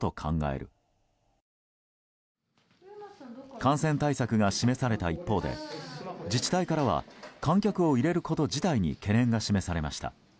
感染対策が示された一方で自治体からは観客を入れること自体に懸念が示されました。